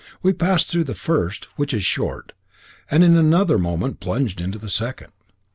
We passed through the first, which is short, and in another moment plunged into the second.